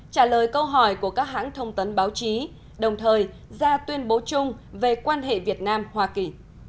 trả lời câu hỏi của các hãng thông tấn báo chí đồng thời ra tuyên bố chung về quan hệ việt nam hoa kỳ